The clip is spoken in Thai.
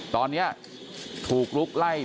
ตอนนี้ถูกลุกไล่ถูกกระชับพื้นที่